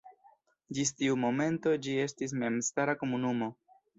Ĝis tiu momento ĝi estis memstara komunumo.